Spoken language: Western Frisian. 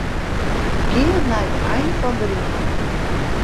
Gean nei de ein fan 'e rigel.